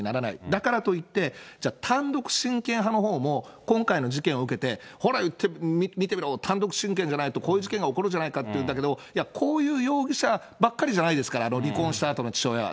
だからといって、じゃあ、単独親権派のほうも、今回の事件を受けて、ほら見てみろ、単独親権じゃないとこういう事件が起こるじゃないかっていうんだけど、こういう容疑者ばっかりじゃないですから、離婚したあとの父親は。